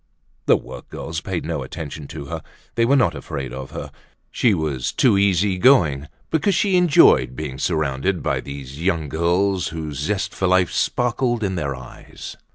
The workgirls paid no attention to her. They were not afraid of her. She was too easy going because she enjoyed being surrounded by these young girls whose zest for life sparkled in their eyes.